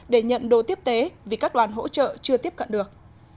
để nhận đồ tiếp tế vì các đoàn hỗ trợ chưa tiếp cận được